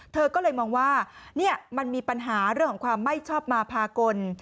เธอก็เลยมองว่ามันมีปัญหาเรื่องของความไม่ชอบมาพากล